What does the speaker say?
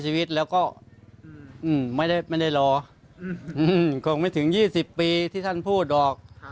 ชีวิตแล้วก็ไม่ได้รอคงไม่ถึง๒๐ปีที่ท่านพูดหรอก